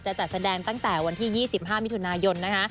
จัดแสดงตั้งแต่วันที่๒๕มิถุนายนนะคะ